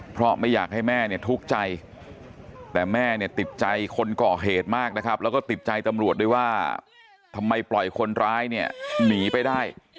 เพราะไม่อยากให้แม่เนี่ยทุกข์ใจแต่แม่เนี่ยติดใจคนก่อเหตุมากนะครับแล้วก็ติดใจตำรวจด้วยว่าทำไมปล่อยคนร้ายเนี่ยหนีไปได้